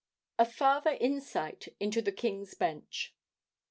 A FARTHER INSIGHT INTO THE KING'S BENCH.